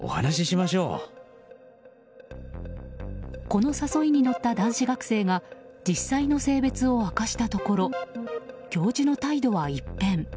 この誘いに乗った男子学生が実際の性別を明かしたところ教授の態度は一変。